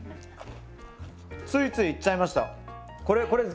ついついいっちゃいました。